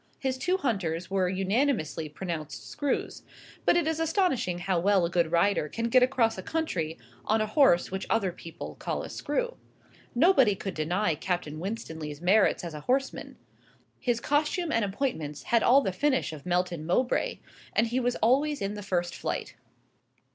His two hunters were unanimously pronounced screws; but it is astonishing how well a good rider can get across country on a horse which other people call a screw. Nobody could deny Captain Winstanley's merits as a horseman. His costume and appointments had all the finish of Melton Mowbray, and he was always in the first flight.